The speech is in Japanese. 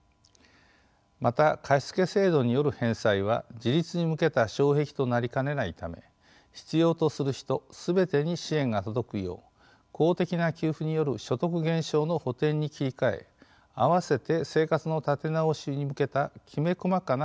また貸し付け制度による返済は自立に向けた障壁となりかねないため必要とする人全てに支援が届くよう公的な給付による所得減少の補填に切り替え併せて生活の立て直しに向けたきめ細かな相談支援の実施が必要です。